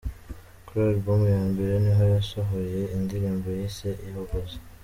Kuri Album ya mbere niho yasohoyeho indirimbo yise ‘Ihogoza’.